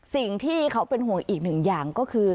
สิ่งที่เขาเป็นห่วงอีกหนึ่งอย่างก็คือ